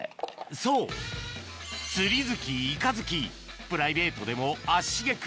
そう釣り好きイカ好きプライベートでも足しげく